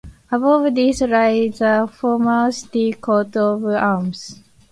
Above these lie the former city coat of arms.